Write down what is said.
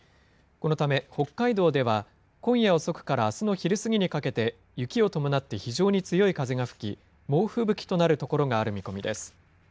このため、北海道では今夜遅くからあすの昼過ぎにかけて、雪を伴って非常に強い風が吹き、猛吹雪となる所がある見込みです。